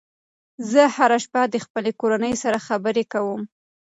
زه هره شپه د خپلې کورنۍ سره خبرې کوم.